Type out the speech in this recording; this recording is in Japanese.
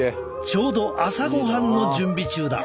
ちょうど朝ごはんの準備中だ。